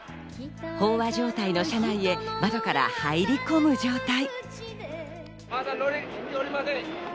飽和状態の車内へ窓から入り込む状態。